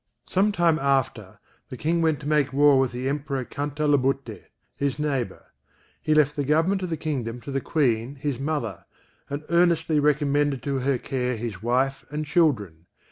Some time after, the King went to make war with the Emperor Cantalabutte, his neighbour. He left the government of the kingdom to the Queen his mother, and earnestly recommended to her care his wife and children.